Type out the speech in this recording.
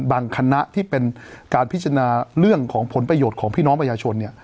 คณะที่เป็นการพิจารณาเรื่องของผลประโยชน์ของพี่น้องประชาชนเนี่ย